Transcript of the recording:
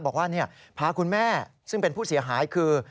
บอกว่าพาคุณแม่ซึ่งเป็นผู้เสียหายคือ